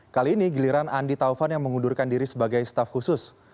kali ini giliran andi taufan yang mengundurkan diri sebagai staff khusus